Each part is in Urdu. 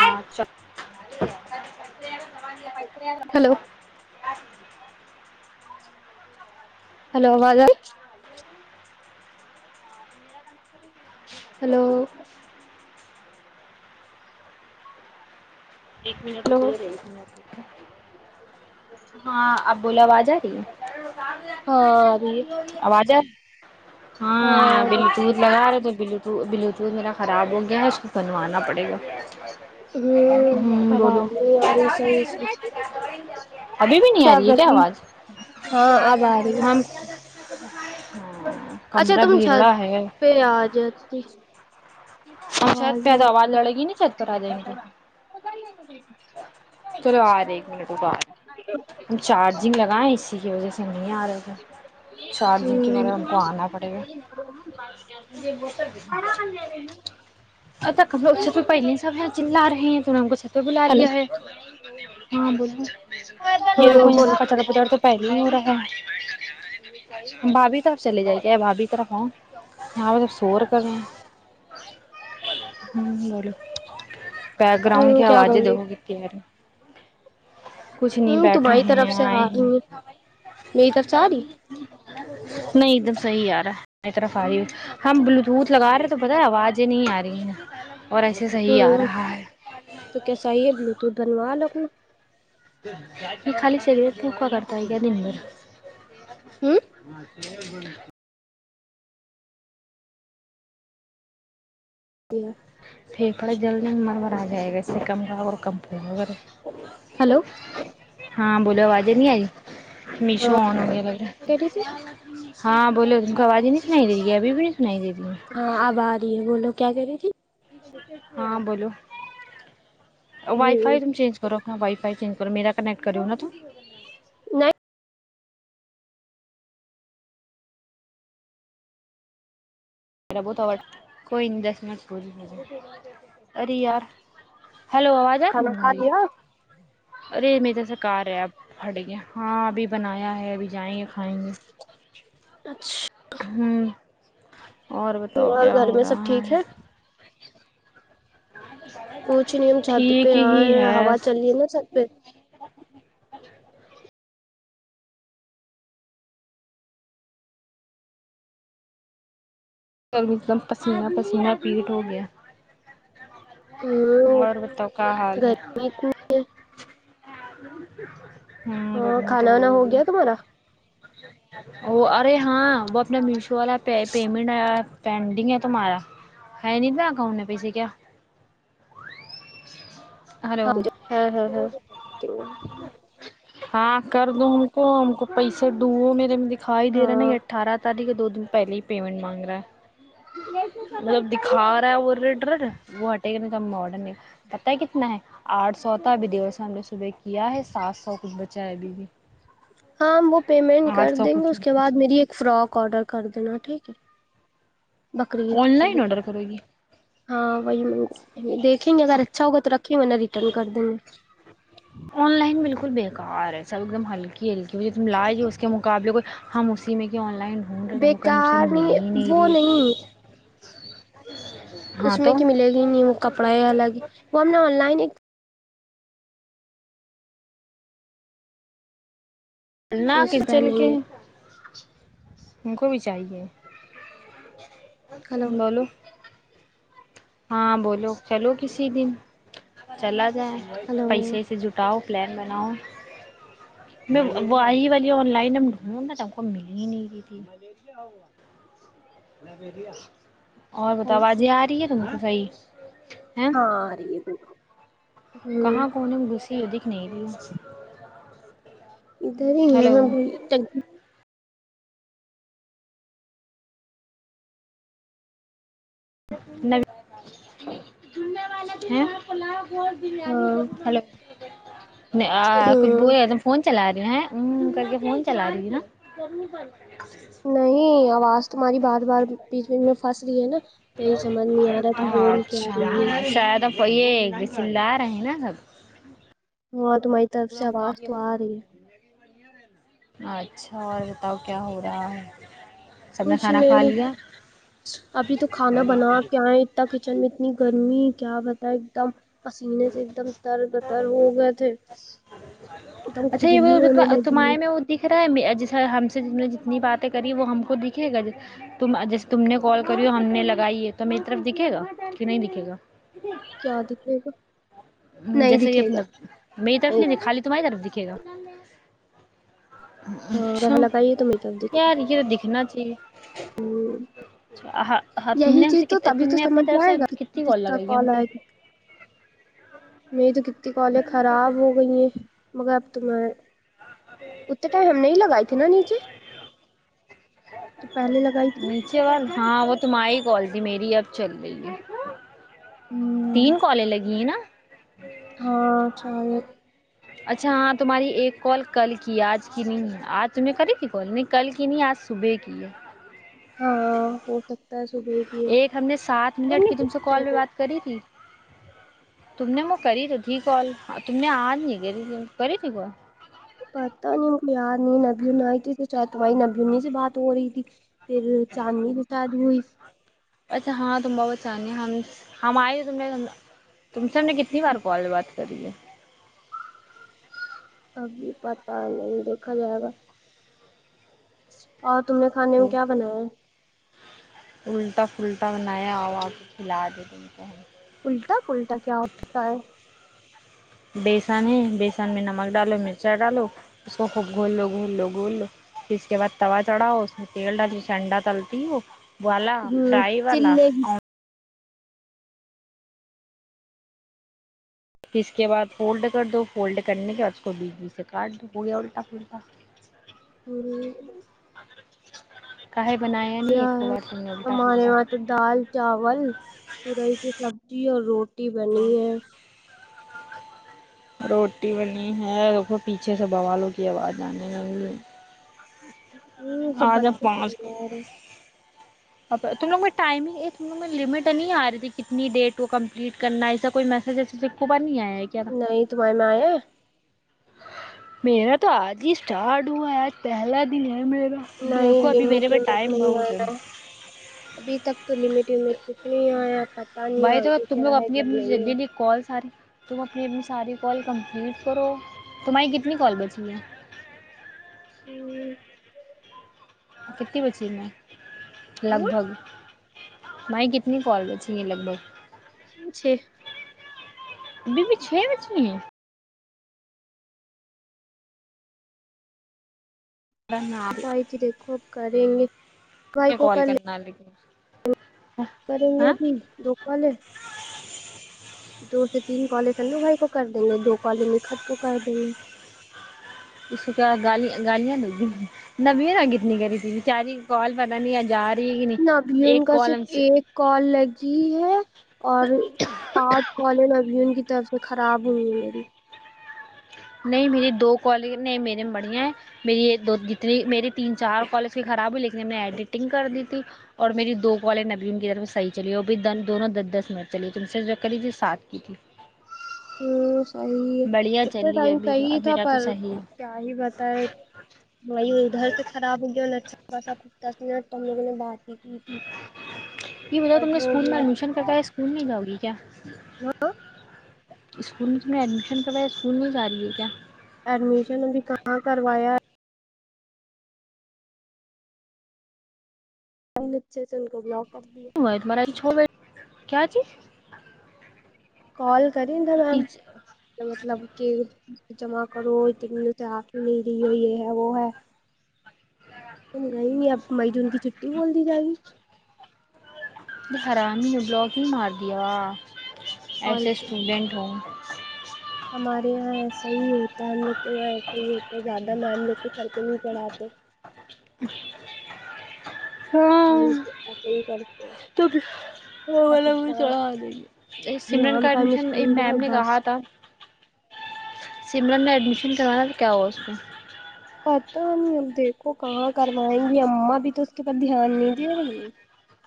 ہاںھ ہلو ہلو آواز آئی م [unintelligible] ہلو ایک منٹ ہلو اپولے رہی گ ہاں اب بولا آواز آ رہی ہے ہاں اے [unintelligible] آواز آ رہی؟ ہاں بل دودلہگار دو بو بلو جو میرا خراب ہو گیا ہے اس کو بنوانا پڑے گا رہی ہے ہوں بولو آواز نہیں آ رہی ہے صحیح ابھی بھی نہیں آ کیا ہے کر رہی آواز ہاں اب آ رہی ہے ہم ج [unintelligible] اچھا کمرہ تم چ بھیڑا ہے پہ آ جاتتی ہم چھت آواز پہ ہیں تو آواز لڑے گی نہیں چھت پر آ جائیں گے تو چلو آ رہے ایک منٹ اٹ ہم چارجنگ لگائیں اسی کی وجہ سے نہیں آ رہے تھے چارجنگ کے بارے ہم کو آنا پڑے گا اب تک لو چھت پہ پہلے ہی سب چ رہے ہیں تو انہوں کو چھت پہ بلا ہلو لیا ہے ہاں بولو ہ مے کو یہ بولو ک پہلے ہو رہا بھابھی طرف سےلے جائی گ بھابھی طرف ہ سور کرنا آ [unintelligible] ہ بولو بیک گراؤنڈ کی ہ کیا کر آوازیں دو رہی کیت ار کچھ نہیں ہ بیٹھے تمہاری طرف ہیں سے آئے آ رہی ہیں ہے میری طرف سے آ رہی نہیں ادھر حیح آ رہا ہے ماری طرف آ رہی ہوئی ہم بلو دھت لگا رہے تو پتا ہے آواز م ج نہیں آ رہی ہیں اور ایسے صحیح آ ہوں رہا ہے تو کیسا ہی ہے بلوٹوتھ بنوا لو ٹھ میں خال سگیر پوکوا کرتا ہے کیا دن بھر ہوں [inaudible] ب بول تی ہے پ پڑا جلد جلد مر مور آ جائے گا اس سے کم اور کمپنی وغیرہ ہلو ہاں بولو آوازیں نہیں آئی میشو آن گ لگے کہہ رہی تھی [unintelligible] ہاں بولو ت کو آوازی نہیں سنائی د رہی ہے ابھی بھی نہیں سنائی ددی ہاں اب آ رہی ہے بولو کیا کہہ رہی تھی ہاں بولول وائی ہوں فائی تم چینج کرو ہاں وائی فائی چینج کرو میرا کنیکٹ کر ہو ن تو نہیں میرا بہت آوٹ کوئی نہیں دس منٹ ار یار ہیلو آواز کھانا کھا ہیں لیا ارے میں تو سکاریا پٹ گیا ہاں بھی بنایا ہے ابھی جائیں گے کھائیں گے اچھا ہوں اور بتاؤ اور کیا گھر ہو میں سب رہا ٹھیک ہے پوچھ نہیں ہم چھت پہ ٹھیک ہی آئے ہوا چلی رہ ہے نا چھت پہ گرمی ایک دم پسینہ پسینہ پیٹ ہو گیا ہاں اور بتاؤ کیا حال ہے گرمیت میں ہے ہوں ہاں کھانا وانا ہو گیا تمہارا ا ارے ہاں وہ اپنا میشو والا پیمنٹ آ پینڈنگ ہے تو مہارا ہے نہیں مکؤن پیسے کیا ہلو ہاں ج ہاں ہاں ہاں ہاں کر دو ہم کو ہم کو پیسہ سر ڈو میرے میں دکھائی د رہا نا ہاں یہ اٹھارہ تاریخ دو پہلے ہی پمنٹ مگ رہا مطلب دکھا رہا اور وہ ہٹے کم پتا کتنا ہے آٹھ سو ہوتا ابھی دیو سو ہم ل نےگ صبح کے کیایا ہے سات سو کچھ بچا ہے ابھی بھی ہاں وہ پیمنٹ کر آٹھ سو دیں گے کچھ اس کے کچھ بعد میری ایک فراک آرڈر کر دینا ٹھیک ہے بکری گت آن لائن آڈر کرو گی ہاں وہی م دیکھیں گے اگر اچھا ہوگا تو رکھے کی میں نے ریٹرن کر دوں گا آن لائن بالکل بےکار ہے سب ایک دم ہلکی ہلکی کہھے تم لاائی جے اس کے مقابلے کوئی ہم اسی میں کہ آن لائ لائنڈ رہ کہیں سے مل ہی نہیں رہی ہاں اس میں تو کہ ملے گی نہیں وہ کپڑا ہے الگ وہ ہم نے آن لائن ایک پنا سوچ کچل پہنیں کے گے ان کو بھی چاہیے ہلو بولو ہاں بولو چلو کسی دن چلا ج ہلو پیسے سے جٹاؤ پل بناؤ میں وہ آئی والی آن لائن ڈھونڈ ت ہم کو مل ہی نہیں رہ تھی اور ہلو بتاؤ آج یہ آ رہی ہے ہ نہیںی ہاں ا رہ تھ کہاں کون گس ت وہ دکھنے بھی ادھر ہی یہ ابھی وال ہاں ہلو د کچھ بو ہوں دم فون چلا تھا ا کر کے فون چلا رہی نا نہیں آواز تمہاری بار بار بیچ بیچ بی میں پنس رہی ہے نا تو یہ سمجھ نہیں آ رہا تم بول کیا اچھا رہی ہو شاید ا تو یہسلد رہ ہے نا سب ہ تمہاری طرف پورا سے کام آواز یہ تو آ رہی ہے فون اچھا اور بتاؤ کیا ہو رہا ہے سب نے کچھ کھانا کھا نہیں لیا ابھی تو کھانا بنا کیا ہے اتنا کچن میں اتنی گرمی کیا بتا ایک دم پسینے سے ایک دم تر گٹر ہو گئے تھے دم اچھا یہ کھجلی ہونے وہ لگی ہے تمہارے میں وہ دکھ رہا ہے جیسے ہم نے جتنی باتیں کری وہ ہم کو دکھے گا ت جیسے تم نے کال کری ہو ہم نے لگائی ہے تو میری طرف دکھے گا کہ نہیں دکھے گا کیا دکھے گا نہیں جیسے کہ دکھے گا اپنا میری طرف نہیں تھی خالی تمہاری طرف د دکھیگا اگر اچھا لگائیے تو میک اپ دکھے گا یار یہ تو دکھنا چاہیے ہ ہاں تم یہی نے ہم چیز تو سے تبھی تم تو نے سمجھ اپنی میں طرف آئے سے گا کتنی کس کال کا لگائی ہے ہم کو میں تو ک تی کالیں خراب ہو گئی ہیں مگر آپ تمار اتنے ٹائم ہم نہیں لگائے تھے نا نیچے جو پہلے لگائی تھی نیچے وال ہاں وہ تمہاری کال ت میری اب چل رہئی ہے تین کالے لگی ہیں نا ہاں چالے اچھا ہاں تمہاری ایک کال کل کی ہے آج کی نہیں ہے آج تمہیں کرے گی کال نہیں کل کی نہیں آج صبح کی ہے ہاں ہو سکتا ہے صبح کی ہو ایک ہم نے سات صبح ہم منٹ نے کی تم سے تھی کال پہ کو بات کری تھی تم نے م کر تو تھی کال تم نے آج نہیں کرری ت کر تھی کوال پتا نمک ار نین ابھی ن آئیتی چ تو بائی نبینی سے بات ہو رہی تھی پھر چاندنی بتاد ہوئی اچھا ہاں تم بہتچاہنی ہم ہم آئے ہو تم نے تم سے ہم نے کتنی بار کال بات کری ہے ابھی پتا نہیں دیکھا جائے گا اور تم نے کھانے میں تو کیا بنایا ہے الٹا پھلٹا نیا ہوا کو کھلا دے دیتے ہیں اللٹا پٹا کیا ہوتا ہے بیسن ہے بیسن میں نمک ڈالو مرچ ڈالو اس کو خوب گھول لو گول لو گول لو پھر اس کے بعد توا چڑھاؤ اس میں تیل ڈالو انڈا تلتی ہو والا ہ فرائی والا چلے پھر اس کے بعد فولڈ کر دو فولڈ کرنے کے بعد اس کو بیجلی سے کاٹ دو پورے الٹا پھلٹا ہوں کاہے بنایا نہیں ایک کو بار تم نے الٹا ہمارے پھلٹا یہاں تو دال چاول تورئی کی سبزی اور روٹی رٹی بنی ہے روٹی بنی ہے پیچھے سے بوالوں کی آواز آنے لگی ہوں سب آج بچےارے ا تم لوگوں ٹائمنگ ت لوگ میں لمٹ نہیں آ رہی تھی کتنی ڈیٹ کو کمپلیٹ کرنا ایسا کوئی میسج ایوب نہیں آیا ہے کیا تھا نہیں تمہارے میں آیا میرا تو آج ہی اسٹارٹ ہوا ہے آج پہلا دن ہے میرے نہیں دیکھو ابھی لمٹ پاس ومٹ ٹائم نہیں آ بہت رہا ہے ابھی تک تو لمٹ کچھ نہیںیا کھا نہیں بھائی تو تم لوگ ای گ نہیں ہے م اپنی اپنی ساری کال کمپلیٹ کرو تمہاری کتنی کال بچی ہے ہوں کتنی بچی میں لگ ہاں بھگ بائی کتنی کال بچی ہے لگ بھگ اچھے ابھی بھی چھ بچی ہیں اپ ت دیکھو کریں گ کال کرنا کریں گے ہاں ابھی دوپال ہے دو سے تین کالج ان بھائی کو کر دیں گے دو کالج نکھت کو کر دیں گے اس کو کیا گالیاں گالیاں د گی نبی ن کتنی کری تھی بچاری کوال پتہ نہیں آ جار نبیون کا صرف ایک کال لگی ہے اور پانچ کال نبیون کی طرف سے خراب ہوئی میری نہیں میری دو کالج نہیں میرے میں بڑھیا ہیں میری جتنی میری تین چار کالج کی خراب ہوئی لیکن نے ایڈیٹنگ کر دی تھی اور میری دو کالج نبی ان کی طرف صحیح چلی بھی دونوں دس دس منٹ چلی تم سے کر لیجیے ساتھ کی تھی [unintelligible] ا صی ہے بڑھیا ا چلی ہے ٹائم ابھی تو صی اب تھا میرا تو پر صحیح ہے کیا ہی بت ہے مایو ادھر سے خراب ہو گیا اچھاا سا کتا اتنا تم لوگوں نے بات ہی کی تھی یہ بتاؤ تم بٹ نے ہو اسکول میں گیا ایڈمیشن کرتا ہے اسکول نہیں جاؤ گی کیا ہاں [unintelligible] [inaudible] اسکول میں تم نے ایڈمیشن کروایا اسکول نہیں جا رہی ہے کیا ایڈمیشن اکاں کروایا ہے اچھے سے ان کو بلا س چ بی [unintelligible] کیا چیز کال [inaudible] کرند میم ٹیچ مطلب کہ جمع کرو سے آ کے ہی نہیں رہی ہو یہ ہے وہ ہے نہیں نہیں اب مئی جون کی چھٹی بول دی جائے گی د آرامین بلاگن مدا ایز اور اے اسٹوڈنٹ ہوں ہمارے یہاں ایسا ہی ہوتا ہے ہم لوگ ایسے ہی ہو تو زیادہ لووں سککڑ آتے ج [unintelligible] ہم ہاں لوگ ایسا ہی کرتے ہیں، تو بس وہ چ ایگزام سمرن ایگزام کا ٹائم ایڈمیشن اسکول میم جاؤ نے بس کہا تھا سملان میں ایڈمیشن کروانا تو کیا ہوا اس کو پتا نہیں اب دیکھو کہاں کروائیں گی امما بھی تو اس کے اوپ دھیان نہیں دے رہی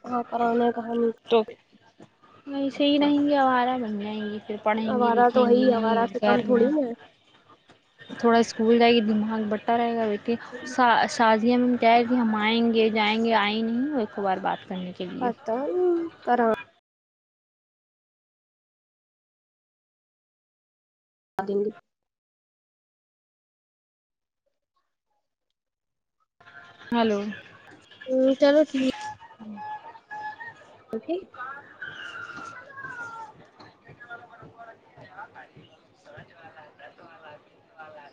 کہاں کرانا کہاں نہیں تو وسے ہی نہیں گ ہمارا بنیا یہ [inaudible] پھر پڑھیں گی آوارہ تو لکھیں گی وہی آوارہ نہیں سے کم گھر تھوڑی میں نا ہے تھوڑا اسکول جائے گی دماغ ہاں بٹار ہے گا کہ ش شادیا میں کیا کہ ہم آئیں گے جائیں گے آئیں نہیں ایک ک بار بات کر پتاا کر [unintelligible] ا گے ہیلو ہ چلو کی ہوں ج جی وال ب سوراج وال دس والا پس وال